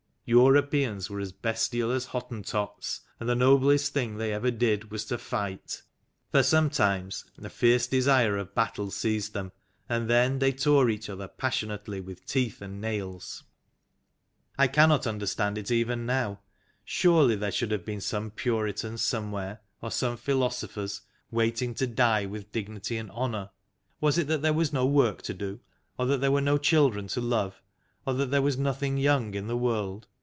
Europeans were as bestial as Hottentots, and the noblest thing they ever did was to fight; for some times a fierce desire of battle seized them, and then they tore each other passionately with teeth and nails. I cannot understand it even now. Surely there should have been some Puritans somewhere, or some Philosophers waiting to die with dignity and honour. Was it that there was no work to do? Or that there were no children to love? Or that there was nothing young in the World?